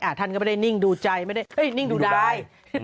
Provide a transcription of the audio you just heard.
ท่านก็ไม่ได้นิ่งดูใจไม่ได้นิ่งดูดาย